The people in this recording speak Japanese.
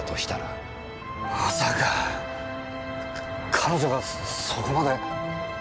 彼女がそこまで。